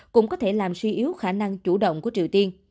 cũng có thể làm suy yếu khả năng chủ động của triều tiên